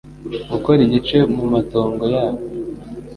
gukora igice mu matongo yabo